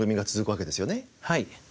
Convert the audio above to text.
はい。